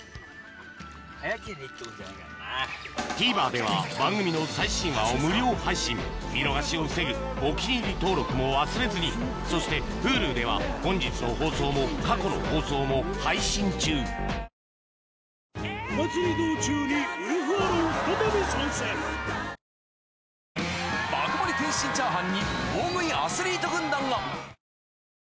ＴＶｅｒでは番組の最新話を無料配信見逃しを防ぐ「お気に入り」登録も忘れずにそしてＨｕｌｕでは本日の放送も過去の放送も配信中あっちぃやさしいマーン！！